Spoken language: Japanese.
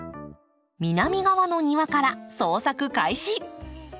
南側の庭から捜索開始。